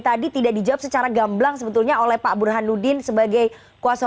tadi tidak dijawab secara gamblang sebetulnya oleh pak burhanudin sebagai ketua pengelolaan